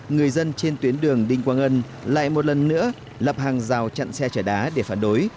người dân trên tuyến đường đinh quang ân lại một lần nữa lập hàng rào chặn xe chở đá để phản đối